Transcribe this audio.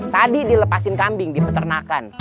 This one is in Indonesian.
tadi dilepasin kambing di peternakan